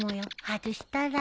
外したら？